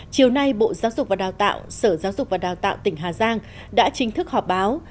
chiều nay bộ giáo dục và đào tạo sở giáo dục và đào tạo tỉnh hà giang đã chính thức họp báo